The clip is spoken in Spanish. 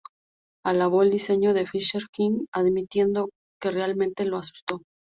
Alabó el diseñó del Fisher King, admitiendo que realmente le asustó.